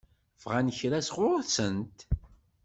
Bɣant kra sɣur-sent?